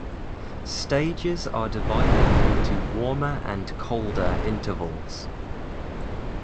Stages are divided into warmer and colder intervals.